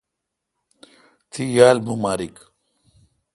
تی یال بومارک۔